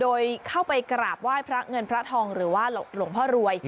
โดยเข้าไปกราบไหว้พระเงินพระทองหรือว่าหลวงพ่อรวย